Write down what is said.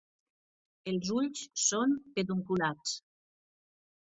Els ulls són pedunculats.